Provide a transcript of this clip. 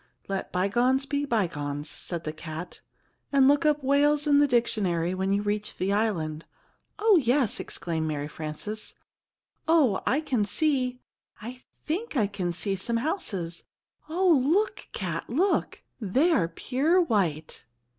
"Let bygones be bygones," said the cat, "and look up 'whales' in the dictionary when you reach the island." "Oh, yes," exclaimed Mary Frances. "Oh, I can see I think I can see some houses! Oh, look, Cat, look! They are pure white!"